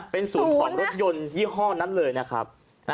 เป็นศูนย์ของรถยนต์ยี่ห้อนั้นเลยนะครับ